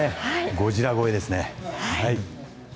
ゴジラ超えですね。